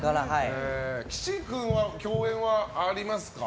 岸君は共演はありますか？